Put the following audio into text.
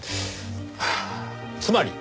つまり？